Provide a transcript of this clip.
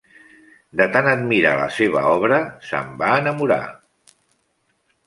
De tant admirar la seva obra se'n va enamorar.